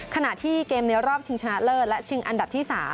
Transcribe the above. ขณะที่เกมในรอบชิงชนะเลิศและชิงอันดับที่๓